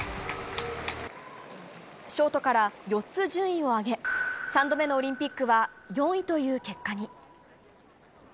ショートから４つ順位を上げ、３度目のオリンピックは４位という結果に。